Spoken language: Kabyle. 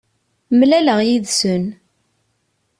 Mlaleɣ yid-sen.